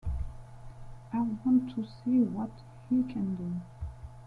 I want to see what he can do.